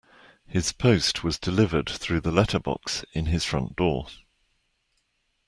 His post was delivered through the letterbox in his front door